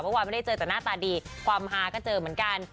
เมื่อวานไม่ได้เจอแต่หน้าตาดีความฮาก็เจอเหมือนกัน